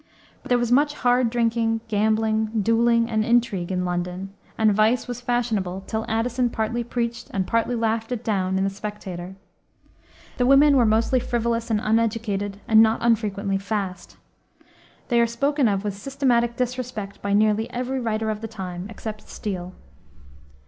But there was much hard drinking, gambling, dueling, and intrigue in London, and vice was fashionable till Addison partly preached and partly laughed it down in the Spectator. The women were mostly frivolous and uneducated, and not unfrequently fast. They are spoken of with systematic disrespect by nearly every writer of the time, except Steele.